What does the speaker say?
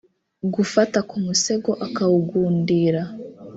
Gufata ku musego akawugundira